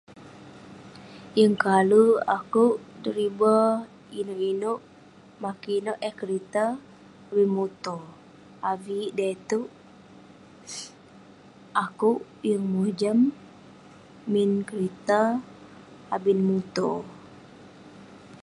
Yeng kalek akouk deriba inouk inouk, makin inouk eh kerita avik muto. Avik dai itouk akouk yeng mojam min kerita abin muto.